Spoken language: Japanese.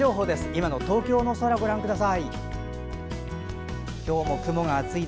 今の東京の空をご覧ください。